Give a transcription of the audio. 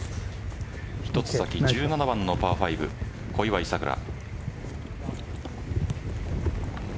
一つ先、１７番のパー５小祝さくら。